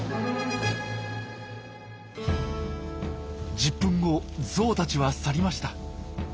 １０分後ゾウたちは去りました。